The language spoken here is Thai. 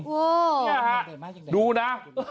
ที่นี่ล่ะครับดูนะ